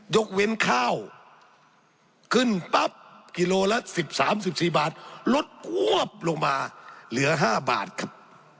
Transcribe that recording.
ยกเว้นข้าวขึ้นปั๊บกิโลละ๑๓๑๔บาทลดควบลงมาเหลือ๕บาทครับ